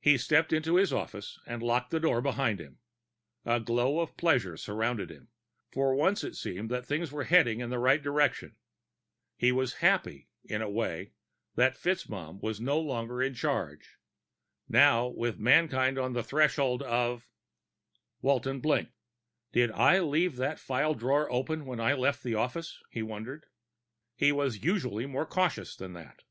He stepped into his office and locked the door behind him. A glow of pleasure surrounded him; for once it seemed that things were heading in the right direction. He was happy, in a way, that FitzMaugham was no longer in charge. Now, with mankind on the threshold of Walton blinked. Did I leave that file drawer open when I left the office? he wondered. He was usually more cautious than that.